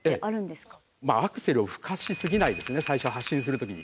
アクセルをふかしすぎないですね最初発進する時に。